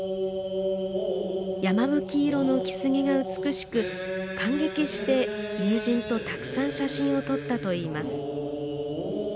山吹色のキスゲが美しく感激して友人と、たくさん写真を撮ったといいます。